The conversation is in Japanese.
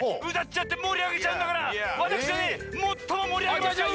わたくしがねもっともりあげましょう！